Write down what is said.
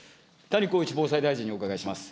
谷公一防災大臣にお伺いします。